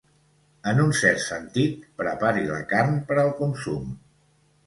En un cert sentit, prepari la carn per al consum.